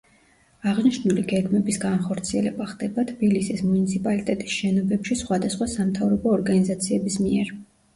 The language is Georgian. აღნიშნული გეგმების განხორციელება ხდება თბილისის მუნიციპალიტეტის შენობებში სხვადასხვა სამთავრობო ორგანიზაციების მიერ.